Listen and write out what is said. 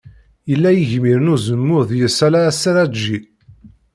Ila igmir n uzemmur deg-s ala aserraǧi.